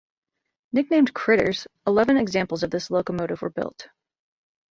Nicknamed "critters", eleven examples of this locomotive were built.